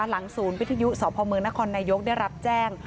หลังศูนย์วิทยุสพมนครนายกได้รับแจ้ง